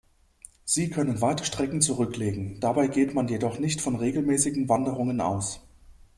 Sie können weite Strecken zurücklegen, dabei geht man jedoch nicht von regelmäßigen Wanderungen aus.